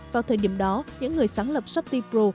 vào thời điểm đó những người sáng lập shopee pro